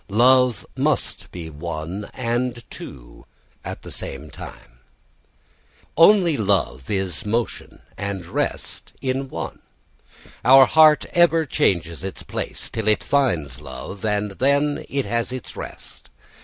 Love must be one and two at the same time. Only love is motion and rest in one. Our heart ever changes its place till it finds love, and then it has its rest.